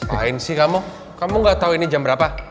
ngapain sih kamu kamu gak tau ini jam berapa